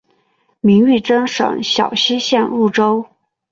明玉珍省小溪县入州。